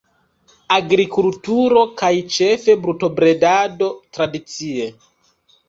Agrikulturo kaj ĉefe brutobredado tradicie.